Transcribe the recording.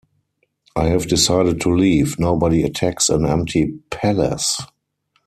I have decided to leave: nobody attacks an empty palace.